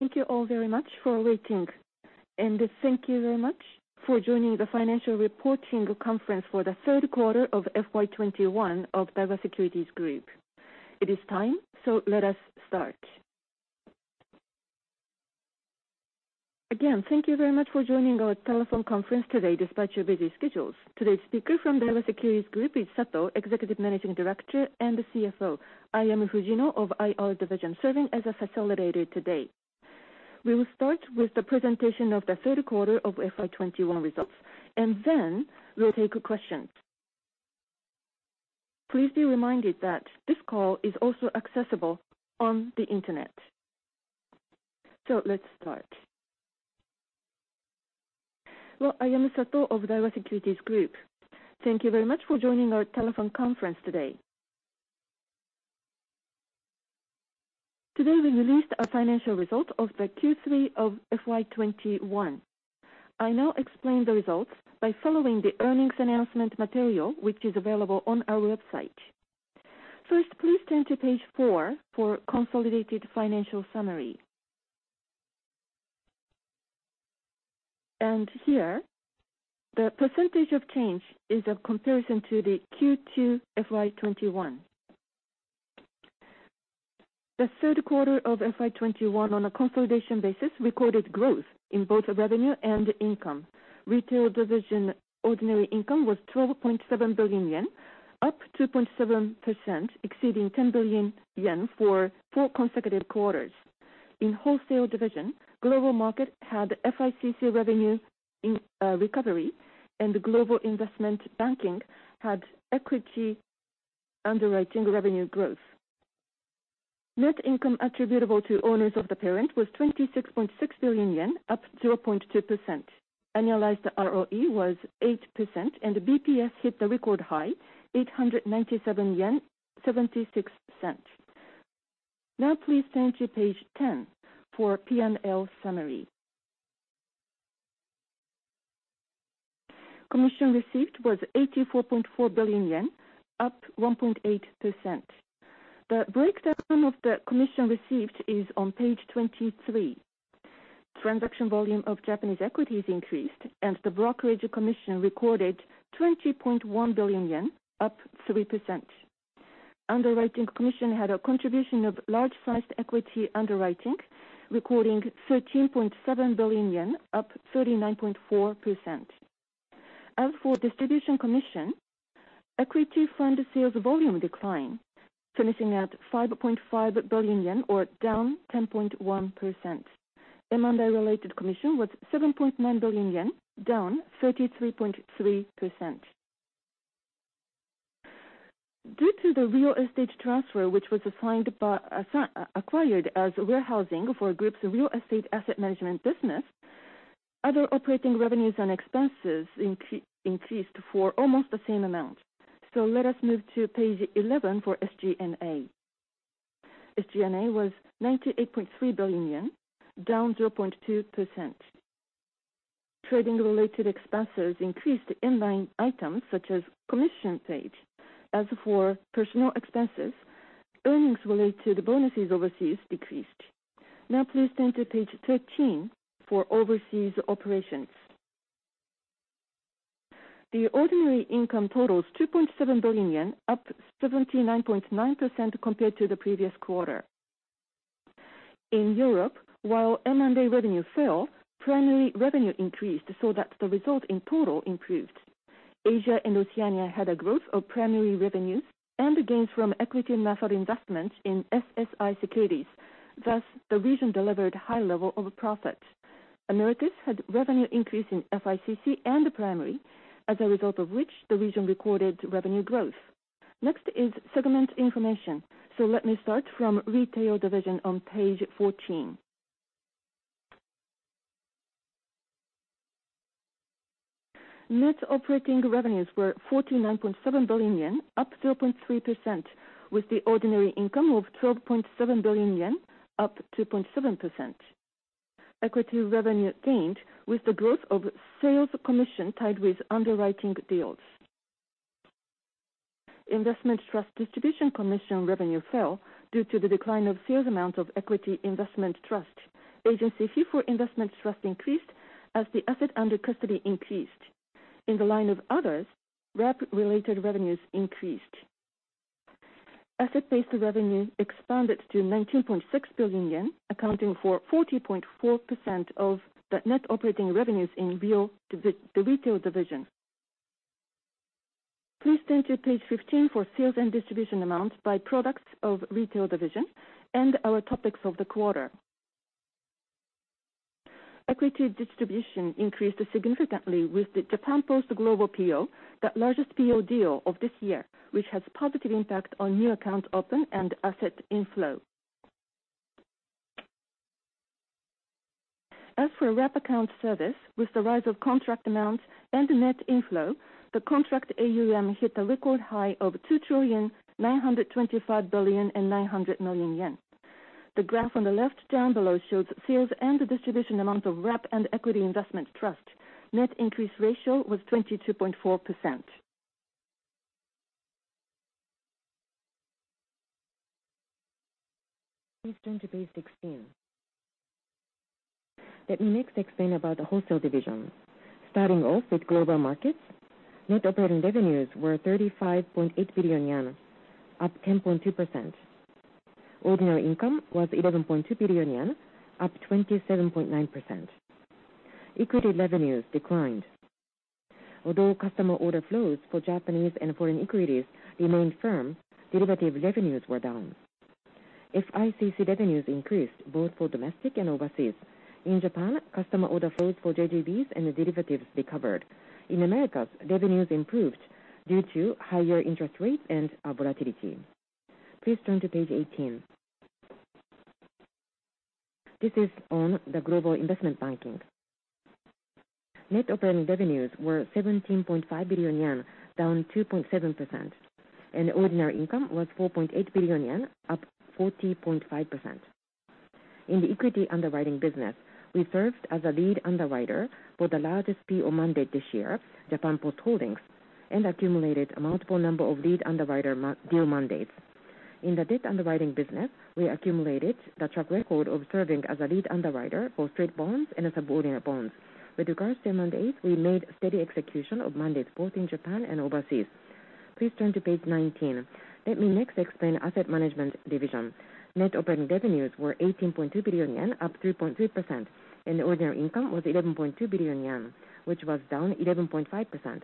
Thank you all very much for waiting, and thank you very much for joining the financial reporting conference for the third quarter of FY 2021 of Daiwa Securities Group. It is time, so let us start. Again, thank you very much for joining our telephone conference today despite your busy schedules. Today's speaker from Daiwa Securities Group is Sato, Executive Managing Director and CFO. I am Fujino of IR Division, serving as a facilitator today. We will start with the presentation of the third quarter of FY 2021 results, and then we'll take questions. Please be reminded that this call is also accessible on the internet. Let's start. I am Sato of Daiwa Securities Group. Thank you very much for joining our telephone conference today. Today, we released our financial results of the Q3 of FY 2021. I will now explain the results by following the earnings announcement material which is available on our website. First, please turn to page 4 for consolidated financial summary. Here, the percentage of change is a comparison to the Q2 FY 2021. The third quarter of FY 2021 on a consolidated basis, we recorded growth in both revenue and income. Retail Division ordinary income was 12.7 billion yen, up 2.7%, exceeding 10 billion yen for four consecutive quarters. In Wholesale Division, Global Markets had FICC revenue recovery and Global Investment Banking had equity underwriting revenue growth. Net income attributable to owners of the parent was 26.6 billion yen, up 0.2%. Annualized ROE was 8%, and the BPS hit a record high 897 yen, 76%. Now please turn to page 10 for P&L summary. Commission received was 84.4 billion yen, up 1.8%. The breakdown of the commission received is on page 23. Transaction volume of Japanese equities increased, and the brokerage commission recorded 20.1 billion yen, up 3%. Underwriting commission had a contribution of large-sized equity underwriting, recording 13.7 billion yen, up 39.4%. As for distribution commission, equity fund sales volume declined, finishing at 5.5 billion yen or down 10.1%. M&A-related commission was 7.9 billion yen, down 33.3%. Due to the real estate transfer, which was acquired as warehousing for group's real estate asset management business, other operating revenues and expenses increased for almost the same amount. Let us move to page 11 for SG&A. SG&A was 98.3 billion yen, down 0.2%. Trading-related expenses increased in line items such as commission paid. As for personal expenses, earnings related to bonuses overseas decreased. Now please turn to page 13 for overseas operations. The ordinary income totals 2.7 billion yen, up 79.9% compared to the previous quarter. In Europe, while M&A revenue fell, primary revenue increased so that the result in total improved. Asia and Oceania had a growth of primary revenues and gains from equity method investments in SSI Securities. Thus, the region delivered high level of profit. Americas had revenue increase in FICC and the primary, as a result of which the region recorded revenue growth. Next is segment information. Let me start from Retail Division on page 14. Net operating revenues were 49.7 billion yen, up 0.3%, with the ordinary income of 12.7 billion yen, up 2.7%. Equity revenue gained with the growth of sales commission tied with underwriting deals. Investment trust distribution commission revenue fell due to the decline of sales amount of equity investment trust. Agency fee for investment trust increased as the asset under custody increased. In the line of others, wrap-related revenues increased. Asset-based revenue expanded to 19.6 billion yen, accounting for 40.4% of the net operating revenues in the Retail division. Please turn to page 15 for sales and distribution amounts by products of Retail division and our topics of the quarter. Equity distribution increased significantly with the Japan Post Holdings Global PO, the largest PO deal of this year, which has positive impact on new account open and asset inflow. As for wrap account service, with the rise of contract amounts and net inflows, the contract AUM hit a record high of 2,925.9 billion. The graph on the left down below shows sales and the distribution amount of wrap and equity investment trust. Net increase ratio was 22.4%. Please turn to page 16. Let me next explain about the Wholesale division. Starting off with Global Markets, net operating revenues were 35.8 billion yen, up 10.2%. Ordinary income was 11.2 billion yen, up 27.9%. Equity revenues declined. Although customer order flows for Japanese and foreign equities remained firm, derivative revenues were down. FICC revenues increased both for domestic and overseas. In Japan, customer order flows for JGBs and derivatives recovered. In Americas, revenues improved due to higher interest rates and volatility. Please turn to page 18. This is on the Global Investment Banking. Net operating revenues were 17.5 billion yen, down 2.7%, and ordinary income was 4.8 billion yen, up 40.5%. In the equity underwriting business, we served as a lead underwriter for the largest PO mandate this year, Japan Post Holdings, and accumulated a multiple number of lead underwriter mandates. In the debt underwriting business, we accumulated the track record of serving as a lead underwriter for straight bonds and subordinate bonds. With regards to mandates, we made steady execution of mandates both in Japan and overseas. Please turn to page 19. Let me next explain Asset Management Division. Net operating revenues were 18.2 billion yen, up 3.3%, and ordinary income was 11.2 billion yen, which was down 11.5%.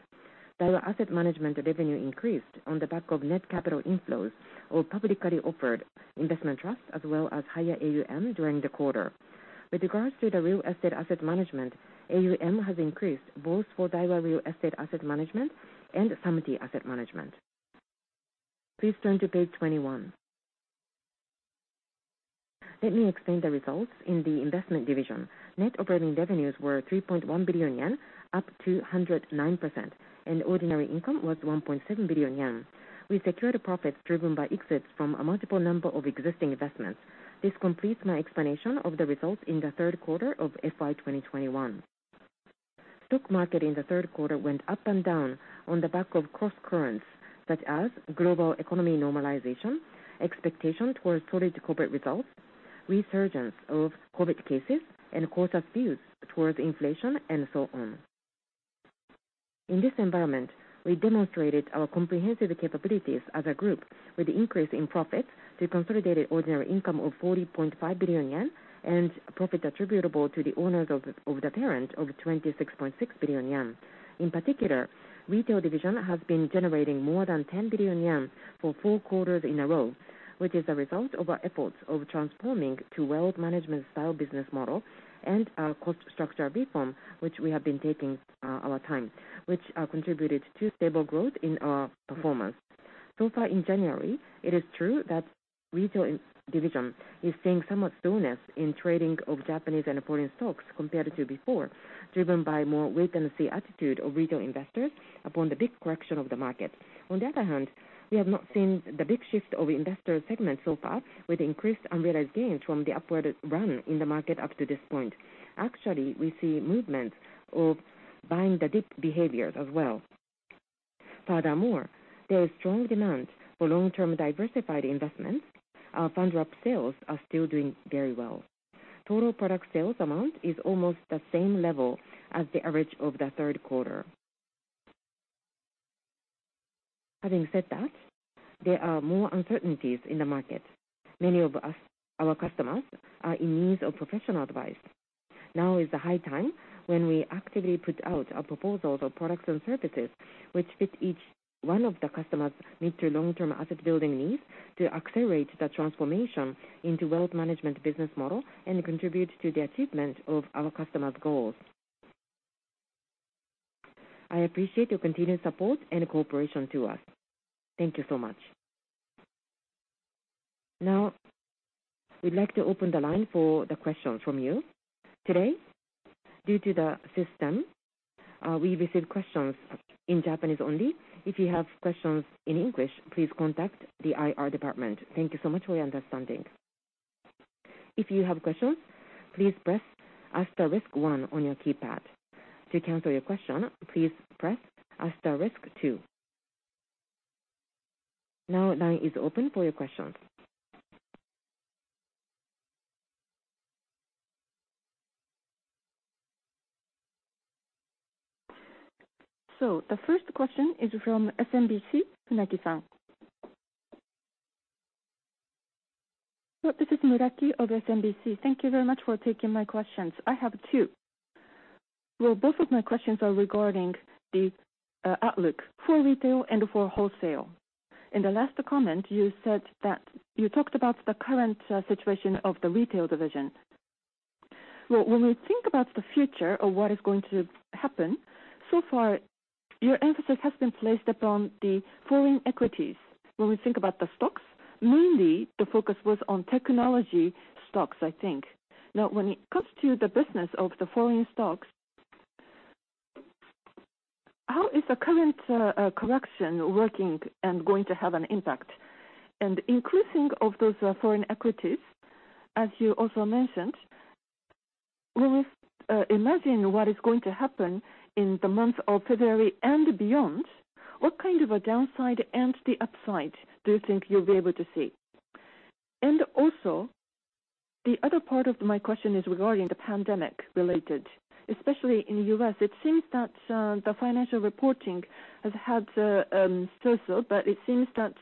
Daiwa Asset Management revenue increased on the back of net capital inflows into publicly offered investment trust, as well as higher AUM during the quarter. With regards to the real estate asset management, AUM has increased both for Daiwa Real Estate Asset Management and Samty Asset Management. Please turn to page 21. Let me explain the results in the investment division. Net operating revenues were 3.1 billion yen, up 209%, and ordinary income was 1.7 billion yen. We secured a profit driven by exits from a multiple number of existing investments. This completes my explanation of the results in the third quarter of FY 2021. The stock market in the third quarter went up and down on the back of crosscurrents, such as global economy normalization, expectation toward solid corporate results, resurgence of COVID cases and cautious views toward inflation, and so on. In this environment, we demonstrated our comprehensive capabilities as a group, with an increase in profits to consolidated ordinary income of 40.5 billion yen and profit attributable to the owners of the parent of 26.6 billion yen. In particular, Retail division has been generating more than 10 billion yen for 4 quarters in a row, which is a result of our efforts of transforming to wealth management style business model and our cost structure reform, which we have been taking our time, which contributed to stable growth in our performance. So far in January, it is true that Retail division is seeing some dullness in trading of Japanese and foreign stocks compared to before, driven by more wait-and-see attitude of retail investors upon the big correction of the market. On the other hand, we have not seen the big shift of investor segment so far with increased unrealized gains from the upward run in the market up to this point. Actually, we see movements of buy-the-dip behaviors as well. Furthermore, there is strong demand for long-term diversified investments. Our fund wrap sales are still doing very well. Total product sales amount is almost the same level as the average of the third quarter. Having said that, there are more uncertainties in the market. Many of our customers are in need of professional advice. Now is the high time when we actively put out our proposals of products and services which fit each one of the customers' mid- to long-term asset building needs to accelerate the transformation into Wealth Management business model and contribute to the achievement of our customers' goals. I appreciate your continued support and cooperation to us. Thank you so much. Now, we'd like to open the line for the questions from you. Today, due to the system, we receive questions in Japanese only. If you have questions in English, please contact the IR department. Thank you so much for your understanding. If you have questions, please press asterisk one on your keypad. To cancel your question, please press asterisk two. Now the line is open for your questions. The first question is from SMBC, Muraki-san. Hello, this is Muraki of SMBC. Thank you very much for taking my questions. I have two. Both of my questions are regarding the outlook for Retail and Wholesale. In the last comment, you talked about the current situation of the Retail division. When we think about the future of what is going to happen, so far, your emphasis has been placed upon the foreign equities. When we think about the stocks, mainly the focus was on technology stocks, I think. Now, when it comes to the business of the foreign stocks, how is the current correction working and going to have an impact? Increasing of those foreign equities, as you also mentioned. When we imagine what is going to happen in the month of February and beyond, what kind of a downside and the upside do you think you'll be able to see? Also, the other part of my question is regarding the pandemic-related, especially in U.S. It seems that the financial reporting has had turmoil, but it seems that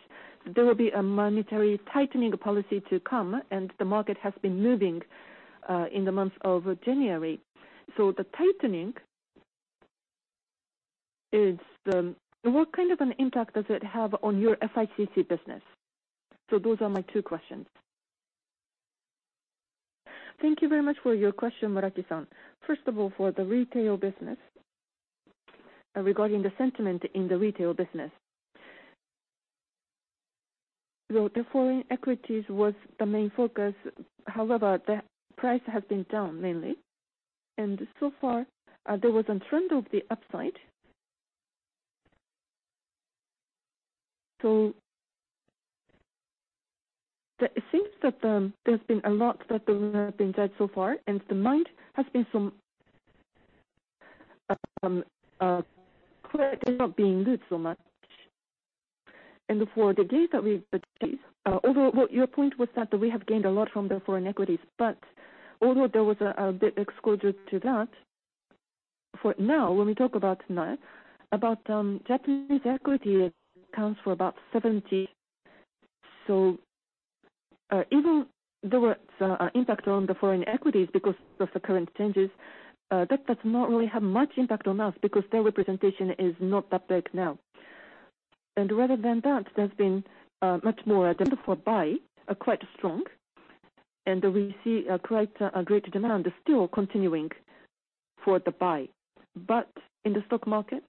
there will be a monetary tightening policy to come, and the market has been moving in the months of January. What kind of impact does it have on your FICC business? Those are my two questions. Thank you very much for your question, Muraki-san. First of all, for the retail business, regarding the sentiment in the retail business. The foreign equities was the main focus. However, the price has been down mainly. So far, there was a trend of the upside. It seems that there has been a lot that have been done so far, and the main has been somewhat unclear, they're not being good so much. For the gains that we've achieved, although what your point was that we have gained a lot from the foreign equities. Although there was a bit exposure to that, for now, when we talk about Japanese equities account for about 70%. Even though there was impact on the foreign equities because of the currency changes, that does not really have much impact on us because their representation is not that big now. Rather than that, there has been much more demand for buys are quite strong, and we see a great demand still continuing for the buys. In the stock market,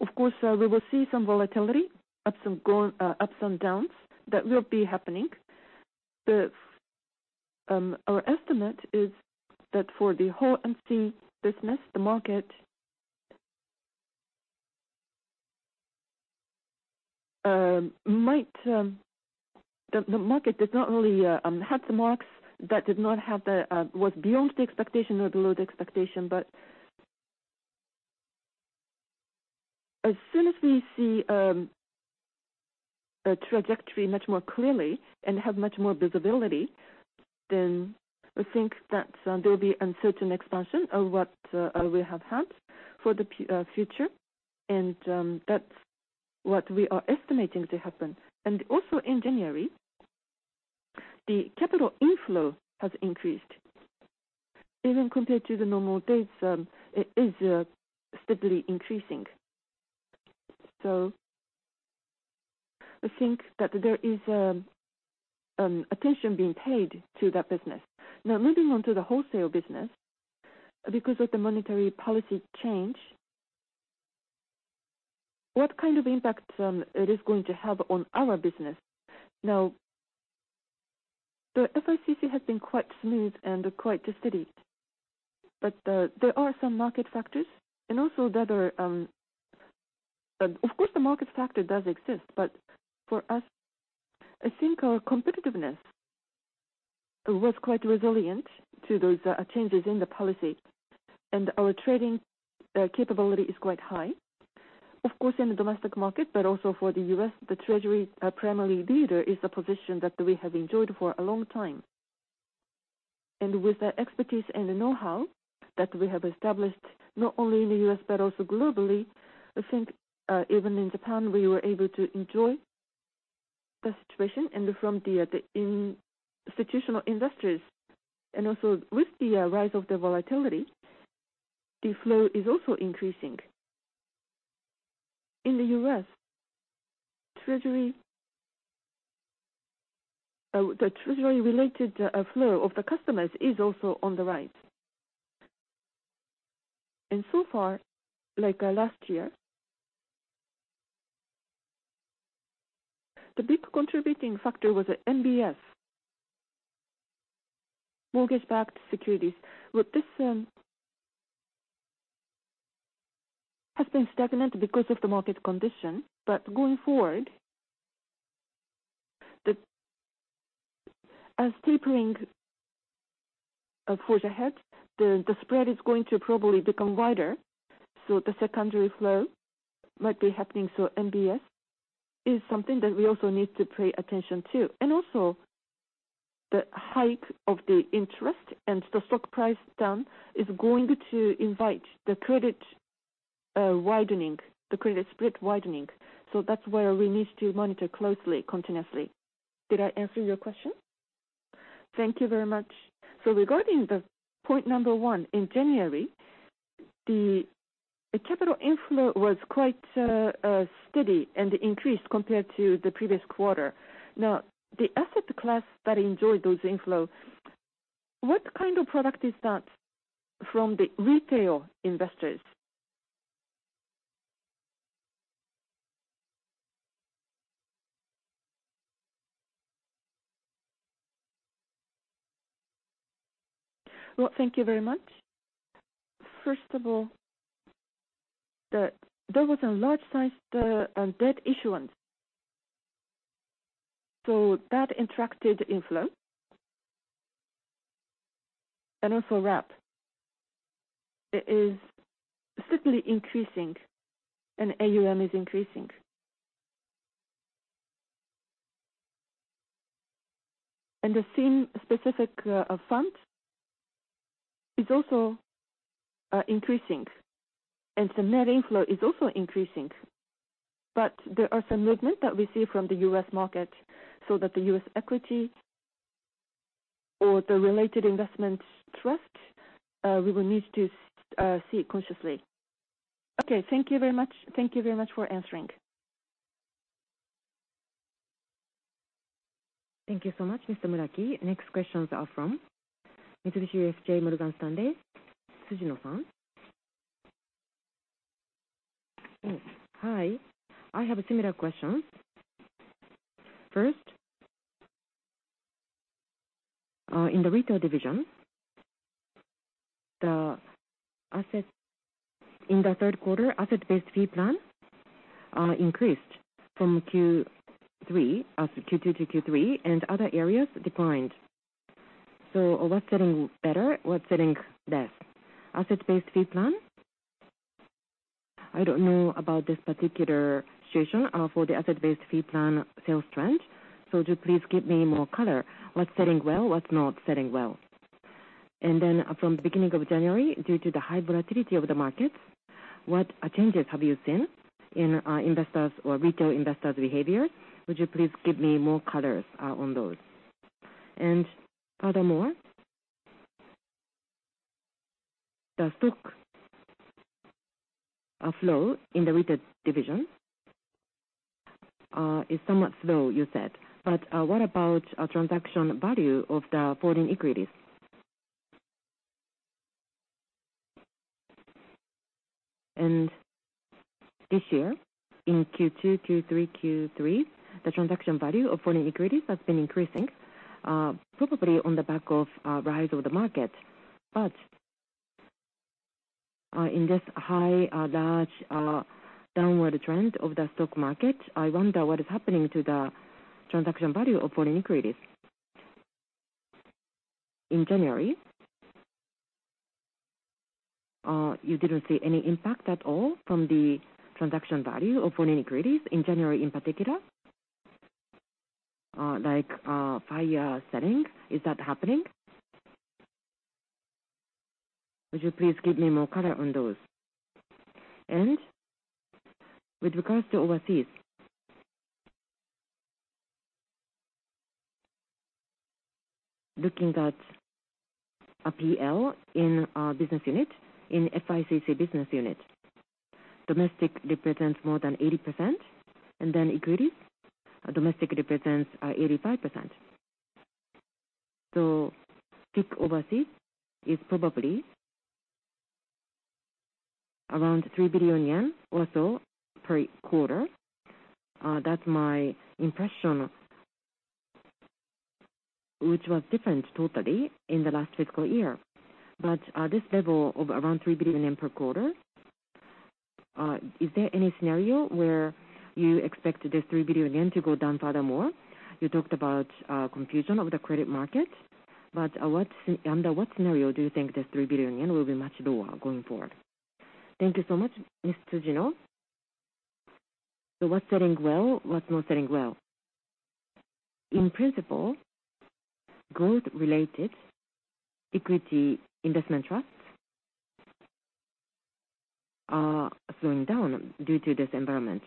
of course, we will see some volatility, ups and downs that will be happening. Our estimate is that for the whole WM business, the market does not really have the marks that were beyond the expectation or below the expectation. As soon as we see a trajectory much more clearly and have much more visibility, then we think that there'll be a certain expansion of what we have had for the future, and that's what we are estimating to happen. Also in January, the capital inflow has increased. Even compared to the normal days, it is steadily increasing. I think that there is attention being paid to that business. Now, moving on to the Wholesale business. Because of the monetary policy change, what kind of impact it is going to have on our business? Now, the FICC has been quite smooth and quite steady, but there are some market factors and also the other. Of course, the market factor does exist, but for us, I think our competitiveness was quite resilient to those changes in the policy, and our trading capability is quite high. Of course, in the domestic market, but also for the U.S., the Treasury primary dealer is a position that we have enjoyed for a long time. With the expertise and the know-how that we have established, not only in the U.S. but also globally, I think, even in Japan, we were able to enjoy the situation from the institutional investors. Also with the rise of the volatility, the flow is also increasing. In the U.S., the Treasury-related flow of the customers is also on the rise. So far, like, last year, the big contributing factor was the MBS, mortgage-backed securities. This has been stagnant because of the market condition. Going forward, as tapering forges ahead, the spread is going to probably become wider, so the secondary flow might be happening. MBS is something that we also need to pay attention to. Also the interest rate hike and the stock price down is going to invite the credit widening, the credit spread widening. That's where we need to monitor closely, continuously. Did I answer your question? Thank you very much. Regarding the point number one, in January, the capital inflow was quite steady and increased compared to the previous quarter. Now, the asset class that enjoyed those inflow, what kind of product is that from the retail investors? Thank you very much. First of all, there was a large size debt issuance. That attracted inflow. Also wrap is certainly increasing, and AUM is increasing. The same specific fund is also increasing, and the net inflow is also increasing. There are some movement that we see from the U.S. market, so that the U.S. equity or the related investment trust, we will need to see consciously. Okay, thank you very much. Thank you very much for answering. Thank you so much, Mr. Muraki. Next questions are from Mitsubishi UFJ Morgan Stanley Securities, Natsumi Tsujino. Hi, I have a similar question. First, in the Retail division, the asset-based fee plan in the third quarter increased from Q2 to Q3, and other areas declined. What's selling better? What's selling less? Asset-based fee plan? I don't know about this particular situation for the asset-based fee plan sales trend, so just please give me more color. What's selling well? What's not selling well? From the beginning of January, due to the high volatility of the markets, what changes have you seen in investors or retail investors' behavior? Would you please give me more color on those? Furthermore, the stock flow in the Retail division is somewhat slow, you said, but what about a transaction value of the foreign equities? This year, in Q2, Q3, the transaction value of foreign equities has been increasing, probably on the back of a rise of the market. In this high, large, downward trend of the stock market, I wonder what is happening to the transaction value of foreign equities. In January, you didn't see any impact at all from the transaction value of foreign equities, in January in particular? Like, fire selling, is that happening? Would you please give me more color on those? With regards to overseas. Looking at a P&L in a business unit, in FICC business unit, domestic represents more than 80%, and then equities, domestic represents, 85%. So FICC overseas is probably around 3 billion yen or so per quarter. That's my impression, which was different totally in the last fiscal year. This level of around 3 billion yen per quarter, is there any scenario where you expect this 3 billion yen to go down furthermore? You talked about confusion of the credit market, but what's under what scenario do you think this 3 billion yen will be much lower going forward? Thank you so much, Tsujino-san. What's selling well, what's not selling well? In principle, growth related equity investment trusts are slowing down due to this environment.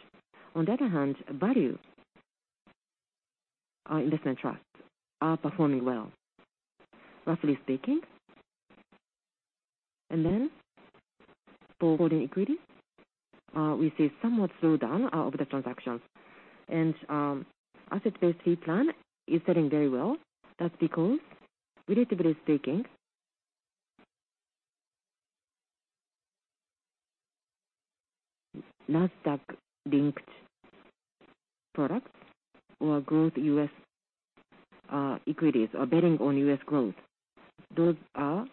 On the other hand, value investment trusts are performing well, roughly speaking. For foreign equity, we see somewhat slowdown of the transactions. Asset-based fee plan is selling very well. That's because, relatively speaking, Nasdaq-linked products or growth U.S. equities are betting on U.S. growth. Those are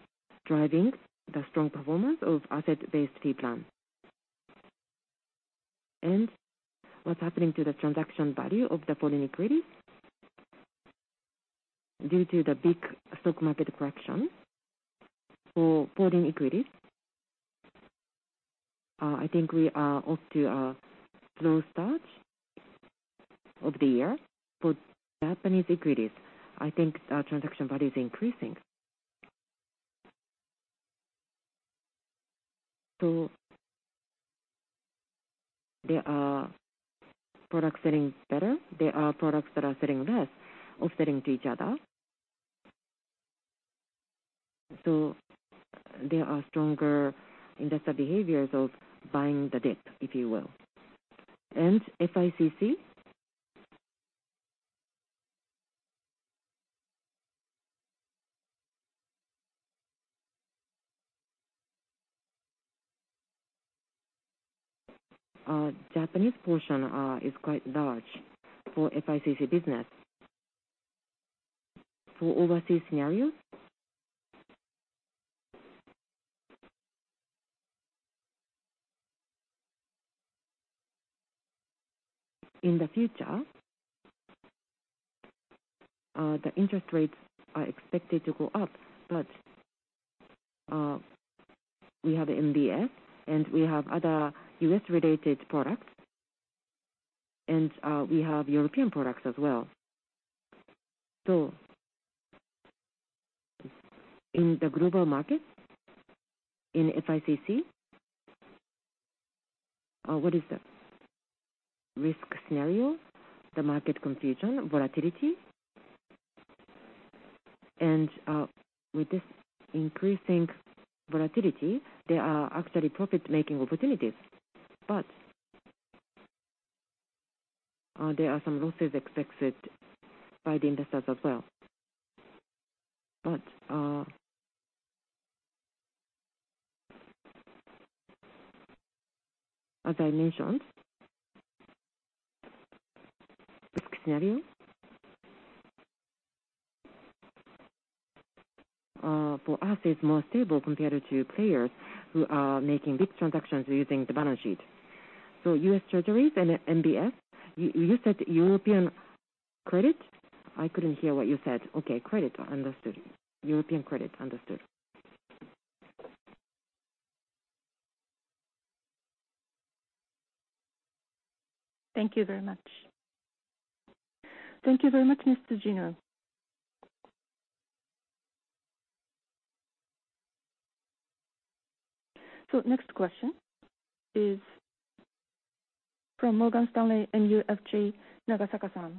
driving the strong performance of asset-based fee plan. What's happening to the transaction value of the foreign equities? Due to the big stock market correction for foreign equities, I think we are off to a slow start to the year. For Japanese equities, I think the transaction value is increasing. Some products are selling better. There are products that are selling less, offsetting to each other. There are stronger investor behaviors of buying the dip, if you will. FICC [inaudible] Japanese portion is quite large for FICC business. For overseas scenario- [inaudible] In the future, the interest rates are expected to go up, but we have MBS, and we have other U.S. related products, and we have European products as well. In the global market, in FICC, what is the risk scenario? The market confusion, volatility. With this increasing volatility, there are actually profit-making opportunities. There are some losses expected by the investors as well. As I mentioned, risk scenario, for us is more stable compared to players who are making big transactions using the balance sheet. U.S. Treasuries and MBS, you said European credit? I couldn't hear what you said. Okay. Credit. Understood. European credit. Understood. Thank you very much. Thank you very much, Tsujino-san. Next question is from Mitsubishi UFJ Morgan Stanley Securities, Mia Nagasaka.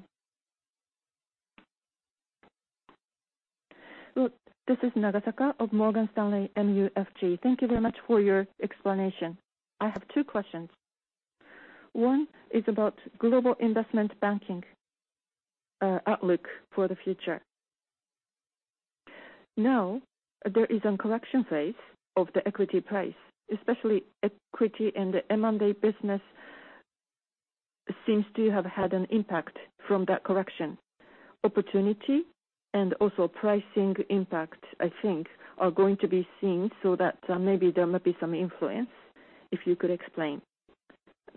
This is Nagasaka of Mitsubishi UFJ Morgan Stanley Securities. Thank you very much for your explanation. I have two questions. One is about Global Investment Banking outlook for the future. Now, there is a correction phase of the equity price. Especially equity in the M&A business seems to have had an impact from that correction. Opportunity and also pricing impact, I think, are going to be seen so that maybe there might be some influence, if you could explain.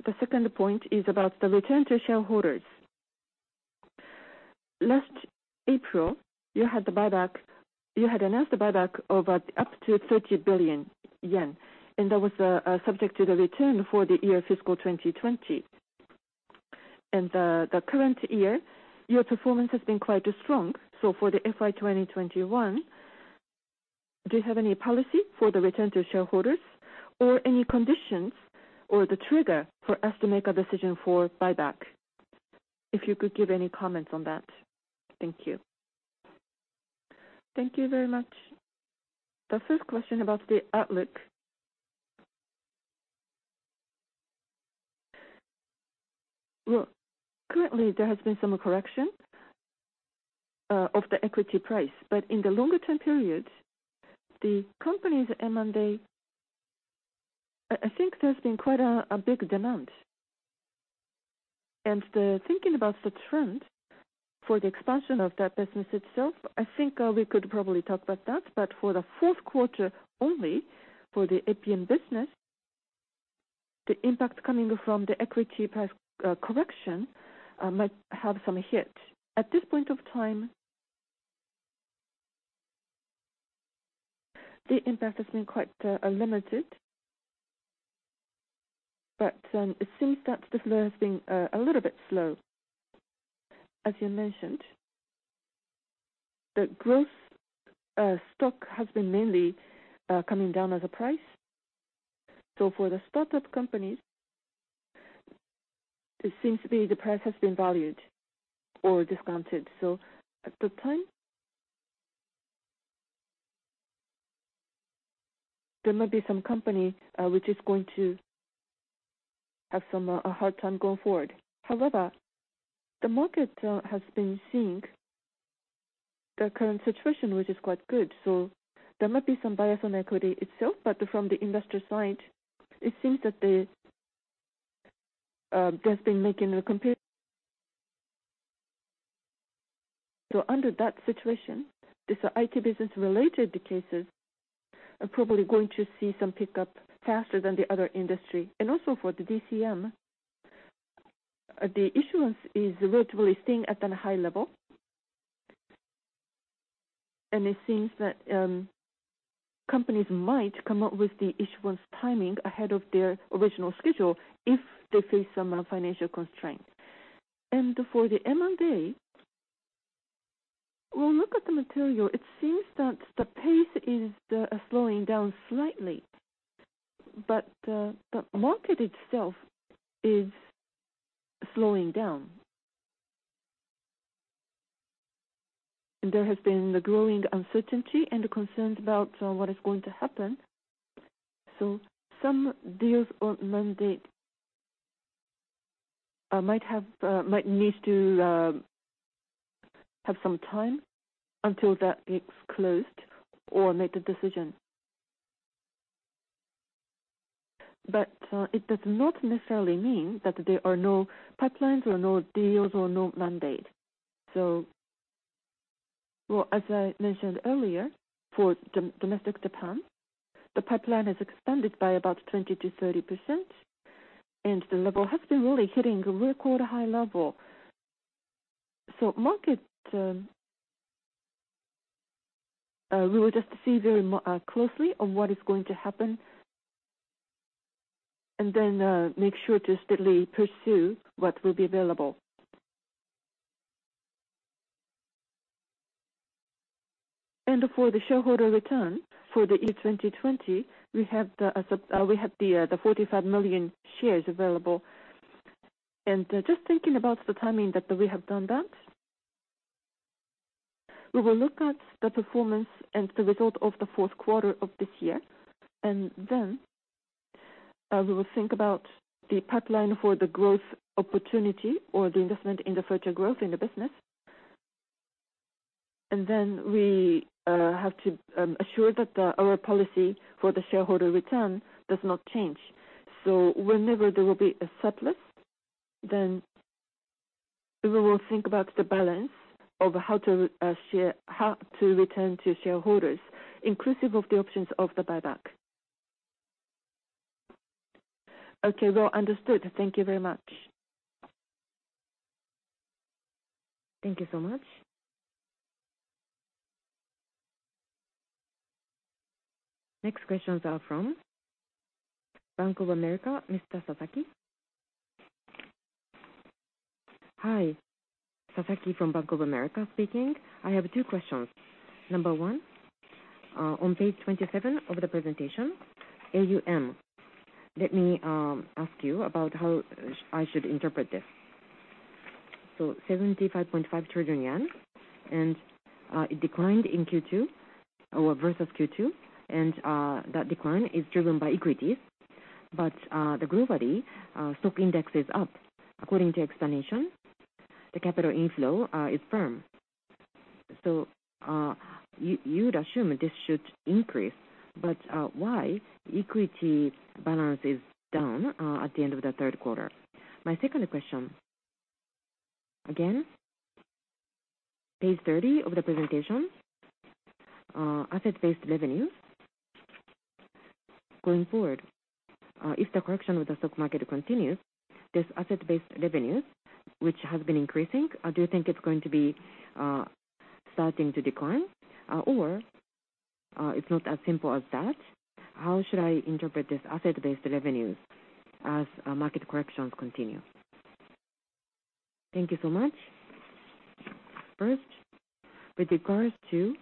The second point is about the return to shareholders. Last April, you had announced the buyback of up to 30 billion yen, and that was subject to the return for the year fiscal 2020. The current year, your performance has been quite strong. For the FY 2021, do you have any policy for the return to shareholders or any conditions or the trigger for us to make a decision for buyback? If you could give any comments on that. Thank you. Thank you very much. The first question about the outlook. Currently there has been some correction of the equity price. In the longer term periods, the company's M&A, I think there has been quite a big demand. The thinking about the trend for the expansion of that business itself, I think, we could probably talk about that, but for the fourth quarter only, for the APM business, the impact coming from the equity price correction might have some hit. At this point of time, the impact has been quite limited, but it seems that the flow has been a little bit slow. As you mentioned, the growth stock has been mainly coming down in price. For the startup companies, it seems that the price has been valued or discounted. At the time, there might be some company which is going to have somewhat of a hard time going forward. However, the market has been seeing the current situation, which is quite good. There might be some bias on equity itself, but from the industrial side, under that situation, these IT business related cases are probably going to see some pickup faster than the other industry. Also for the DCM, the issuance is relatively staying at a high level. It seems that companies might come up with the issuance timing ahead of their original schedule if they face some financial constraints. For the M&A, when we look at the material, it seems that the pace is slowing down slightly. The market itself is slowing down. There has been a growing uncertainty and concerns about what is going to happen. Some deals or mandates might need to have some time until that is closed or make the decision. It does not necessarily mean that there are no pipelines or no deals or no mandates. As I mentioned earlier, for domestic Japan, the pipeline has expanded by about 20%-30% and the level has been really hitting a record high level. The market, we will just see very closely on what is going to happen and then make sure to steadily pursue what will be available. For the shareholder return for the year 2020, we have the 45 million shares available. Just thinking about the timing that we have done that, we will look at the performance and the result of the fourth quarter of this year. We will think about the pipeline for the growth opportunity or the investment in the future growth in the business. We have to assure that our policy for the shareholder return does not change. Whenever there will be a surplus, we will think about the balance of how to share, how to return to shareholders, inclusive of the options of the buyback. Okay. Well understood. Thank you very much. Thank you so much. Next questions are from Bank of America, Kazuharu Sasaki. Hi. Sasaki from Bank of America speaking. I have two questions. Number one, on page 27 of the presentation, AUM, let me ask you about how I should interpret this. 75.5 trillion yen and it declined in Q2 or versus Q2, and that decline is driven by equities. The broader stock index is up. According to explanation, the capital inflow is firm. You'd assume this should increase, but why equity balance is down at the end of the third quarter? My second question, again, page 30 of the presentation, asset-based revenue. Going forward, if the correction of the stock market continues, this asset-based revenue, which has been increasing, do you think it's going to be starting to decline? Or it's not as simple as that. How should I interpret this asset-based revenues as market corrections continue? Thank you so much. First, with regards to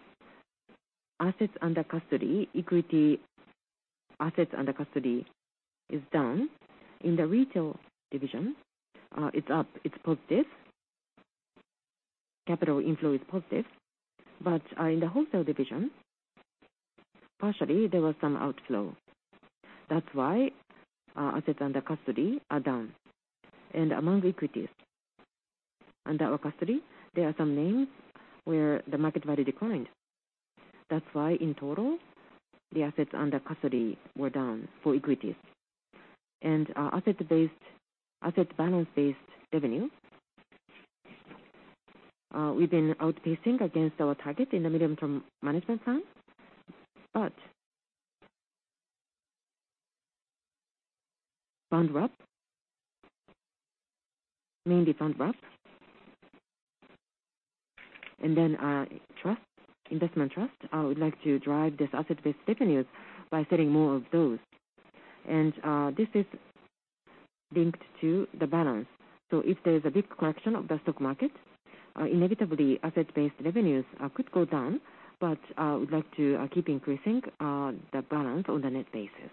assets under custody, equity assets under custody is down. In the Retail division, it's up, it's positive. Capital inflow is positive. In the Wholesale division, partially there was some outflow. That's why assets under custody are down. Among equities under our custody, there are some names where the market value declined. That's why in total, the assets under custody were down for equities. Asset balance-based revenue, we've been outpacing against our target in the medium-term management plan. Fund wrap and then trust, investment trust, I would like to drive this asset-based revenues by selling more of those. This is linked to the balance. If there has a big correction of the stock market, inevitably asset-based revenues could go down. We'd like to keep increasing the balance on the net basis.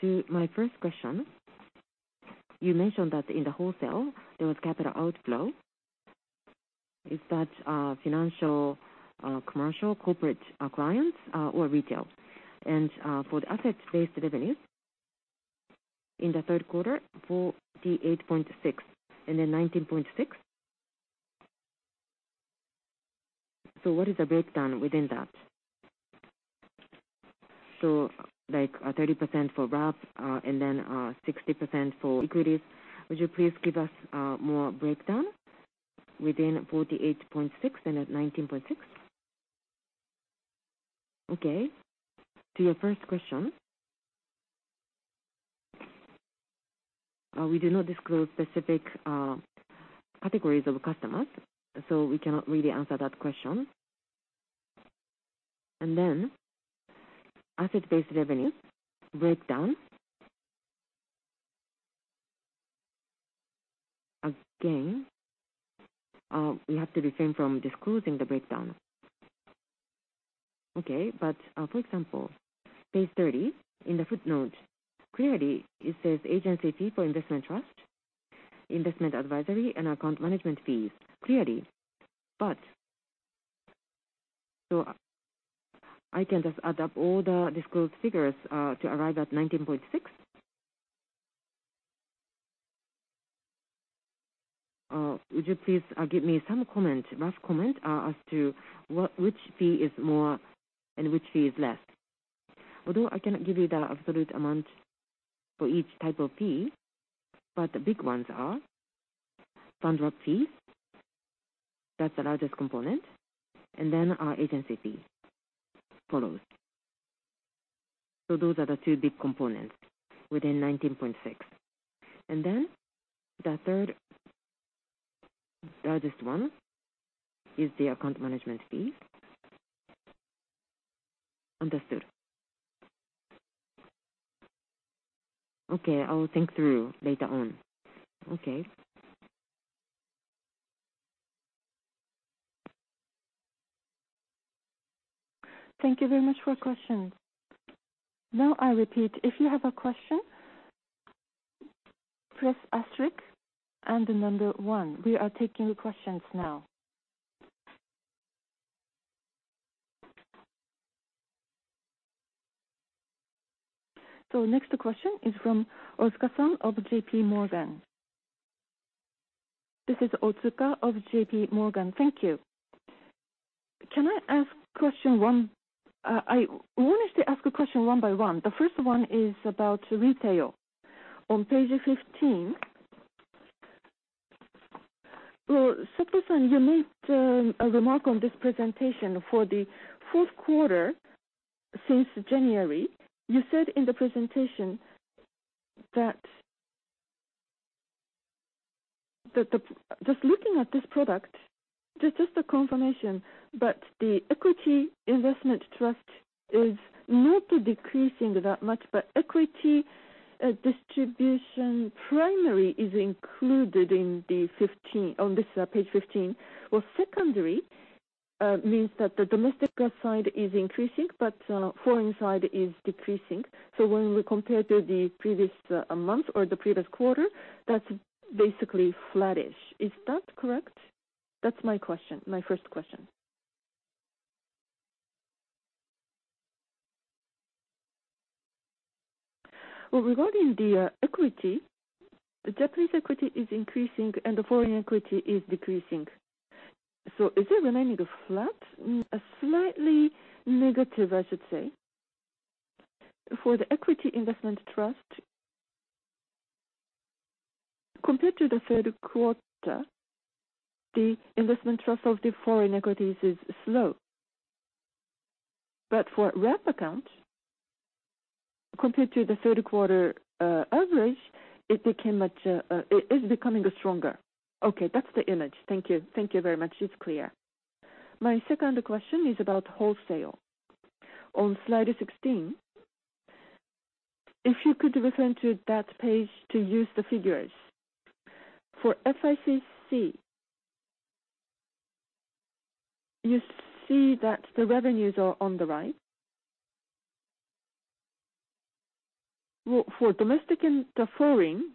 To my first question, you mentioned that in the Wholesale there was capital outflow. Is that financial, commercial, corporate clients or retail? For the asset-based revenues in the third quarter, 48.6 and then 19.6. What is the breakdown within that? Like, 30% for wrap, and then, 60% for equities. Would you please give us more breakdown within 48.6 and at 19.6? Okay. To your first question, we do not disclose specific categories of customers, so we cannot really answer that question. Then asset-based revenue breakdown, again, we have to refrain from disclosing the breakdown. Okay. For example, page 30 in the footnote, clearly it says agency fee for investment trust, investment advisory and account management fees, clearly. I can just add up all the disclosed figures to arrive at 19.6? Would you please give me some comment, rough comment, as to what, which fee is more and which fee is less? Although I cannot give you the absolute amount for each type of fee, but the big ones are fund wrap fee, that's the largest component, and then our agency fee follows. Those are the two big components within 19.6. The third largest one is the account management fee. Understood. Okay, I will think through later on. Okay. Thank you very much for questions. Now I repeat, if you have a question, press asterisk and the number one. We are taking questions now. Next question is from Wataru Otsuka of JPMorgan. This is Otsuka of JPMorgan. Thank you. Can I ask question one? I want to ask a question one by one. The first one is about retail. On page 15, so Sato you made a remark on this presentation for the fourth quarter since January. You said in the presentation that the... Just looking at this product, just a confirmation, but the equity investment trust is not decreasing that much, but equity distribution primary is included in the 15 on this page 15. Secondary means that the domestic side is increasing, but foreign side is decreasing. So when we compare to the previous month or the previous quarter, that's basically flattish. Is that correct? That's my question, my first question. Regarding the equity, the Japanese equity is increasing and the foreign equity is decreasing. So is it remaining flat? Slightly negative, I should say. For the equity investment trust, compared to the third quarter, the investment trust of the foreign equities is slow. But for wrap account, compared to the third quarter average, it is becoming stronger. Okay, that's the image. Thank you. Thank you very much. It's clear. My second question is about wholesale. On slide 16, if you could refer to that page to use the figures. For FICC, you see that the revenues are on the right. For domestic and the foreign,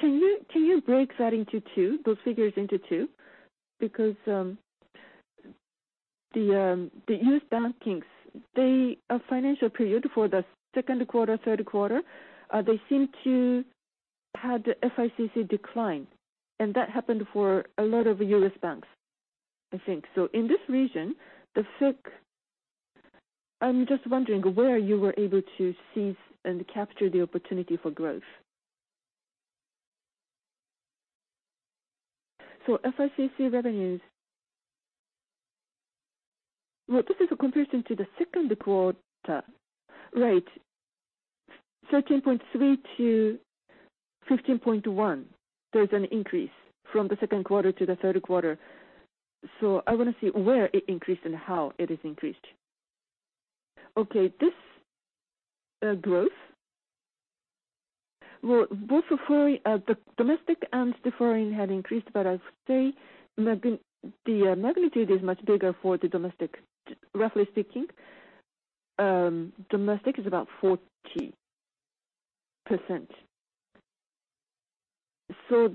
can you break those figures into two? Because the US banks, their financial period for the second quarter, third quarter, they seem to have the FICC decline. That happened for a lot of US banks, I think. In this region, the FICC, I'm just wondering where you were able to seize and capture the opportunity for growth. FICC revenues. This is comparison to the second quarter. 13.3-15.1, there has an increase from the second quarter to the third quarter. I wanna see where it increased and how it is increased. Okay. This growth. Both the foreign, the domestic and the foreign have increased, but I would say the magnitude is much bigger for the domestic. Roughly speaking, domestic is about 40%. So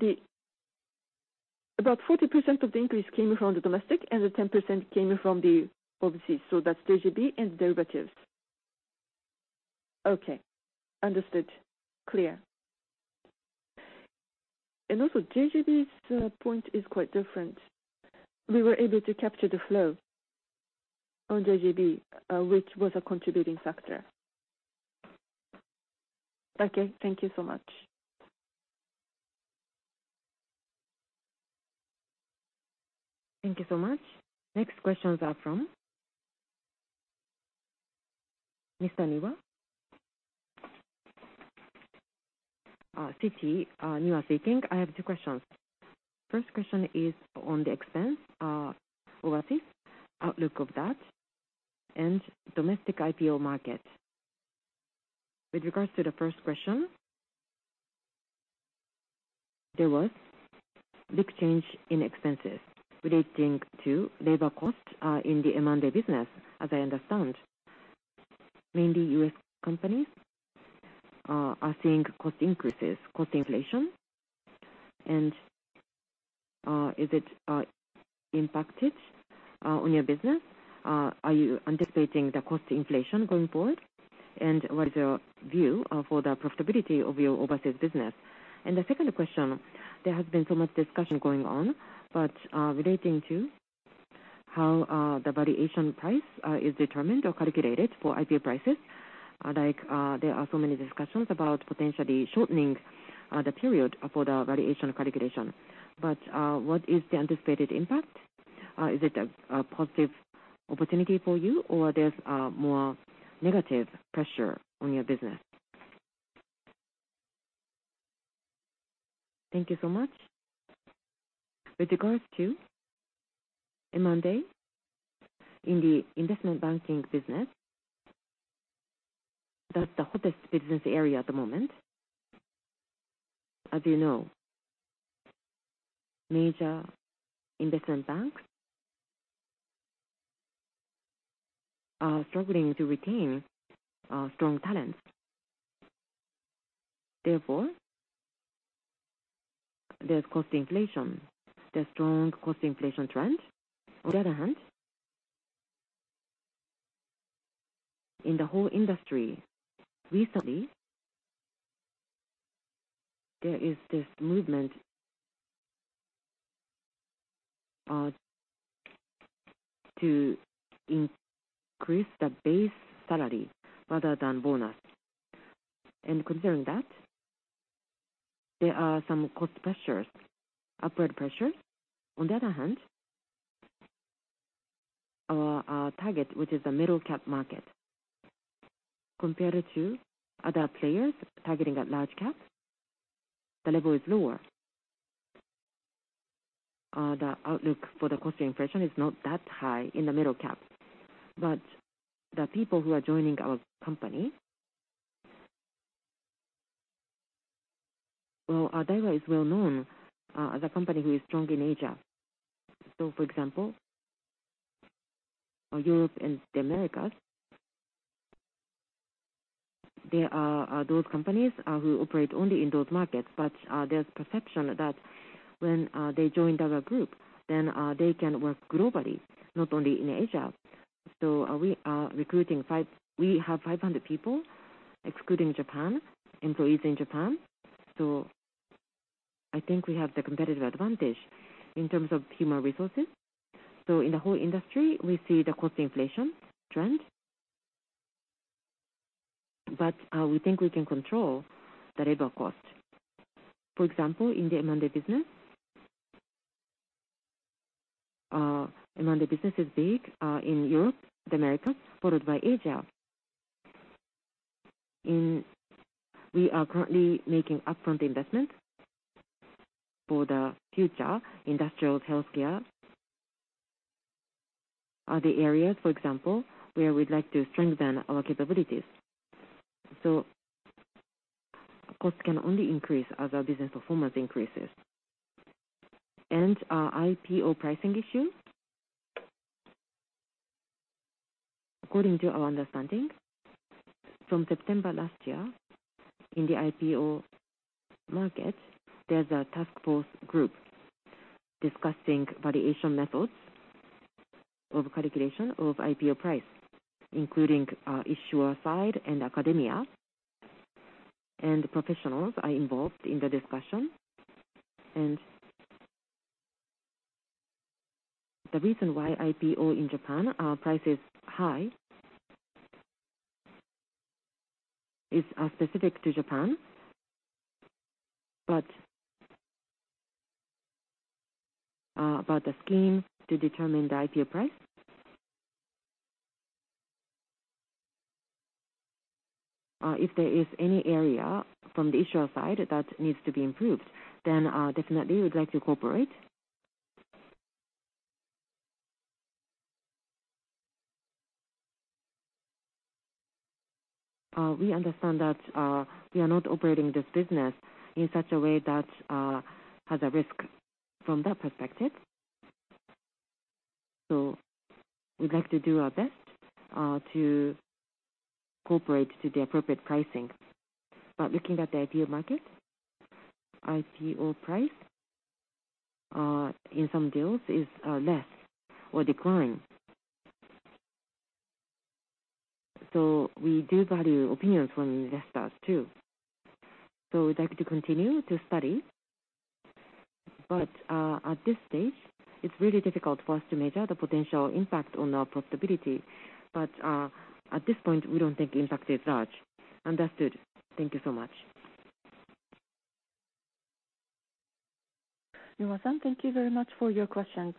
about 40% of the increase came from the domestic, and the 10% came from the overseas. So that's JGB and derivatives. Okay. Understood. Clear. And also JGB's point is quite different. We were able to capture the flow on JGB, which was a contributing factor. Okay. Thank you so much. Thank you so much. Next questions are from Koichi Niwa. Citigroup, Niwa speaking. I have two questions. First question is on the expenses overseas outlook of that, and domestic IPO market. With regards to the first question, there was big change in expenses relating to labor costs in the M&A business, as I understand. Mainly U.S. companies are seeing cost increases, cost inflation, and is it impacted on your business? Are you anticipating the cost inflation going forward? What is your view for the profitability of your overseas business? The second question, there has been so much discussion going on, but relating to how the valuation price is determined or calculated for IPO prices. Like, there are so many discussions about potentially shortening the period for the variation calculation. What is the anticipated impact? Is it a positive opportunity for you, or there has more negative pressure on your business? Thank you so much. With regards to M&A in the investment banking business, that's the hottest business area at the moment. As you know, major investment banks are struggling to retain strong talents. Therefore, there has cost inflation. The strong cost inflation trend. On the other hand, in the whole industry recently, there is this movement to increase the base salary rather than bonus. Considering that, there are some cost pressures, upward pressures. On the other hand, our target, which is a mid-cap market, compared to other players targeting at large cap, the level is lower. The outlook for the cost inflation is not that high in the middle cap. The people who are joining our company... Daiwa is well-known as a company who is strong in Asia. For example, Europe and the Americas, there are those companies who operate only in those markets, but there has perception that when they join Daiwa Group, then they can work globally, not only in Asia. We have 500 people excluding employees in Japan. I think we have the competitive advantage in terms of human resources. In the whole industry we see the cost inflation trend, but we think we can control the labor cost. For example, in the M&A business, M&A business is big in Europe, the Americas, followed by Asia. We are currently making upfront investment for the future industrial healthcare. Other areas, for example, where we'd like to strengthen our capabilities. Costs can only increase as our business performance increases. Our IPO pricing issue, according to our understanding, from September last year, in the IPO market, there has a task force group discussing variation methods of calculation of IPO price, including issuer side and academia. Professionals are involved in the discussion. The reason why IPO in Japan, our price is high, is specific to Japan. About the scheme to determine the IPO price, if there is any area from the issuer side that needs to be improved, then definitely we would like to cooperate. We understand that we are not operating this business in such a way that has a risk from that perspective. We'd like to do our best to cooperate to the appropriate pricing. Looking at the IPO market, IPO price in some deals is less or decline. We do value opinions from investors too. We'd like to continue to study. At this stage it's really difficult for us to measure the potential impact on our profitability. At this point, we don't think the impact is large. Understood. Thank you so much. Niwa, thank you very much for your questions.